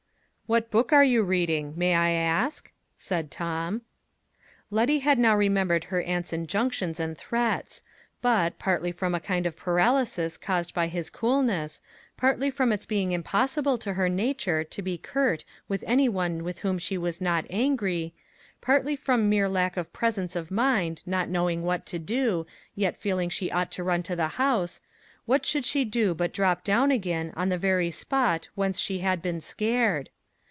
"What book are you reading, may I ask?" said Tom. Letty had now remembered her aunt's injunctions and threats; but, partly from a kind of paralysis caused by his coolness, partly from its being impossible to her nature to be curt with any one with whom she was not angry, partly from mere lack of presence of mind, not knowing what to do, yet feeling she ought to run to the house, what should she do but drop down again on the very spot whence she had been scared!